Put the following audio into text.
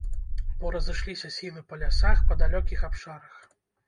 Бо разышліся сілы па лясах, па далёкіх абшарах.